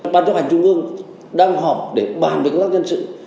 bản chất hành trung ương đang họp để bàn về công tác nhân sự